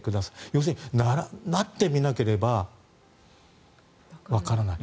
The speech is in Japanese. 要するになってみなければわからない。